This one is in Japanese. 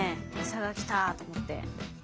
餌が来たと思って。